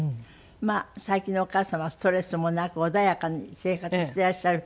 まあ最近のお母様はストレスもなく穏やかに生活していらっしゃる。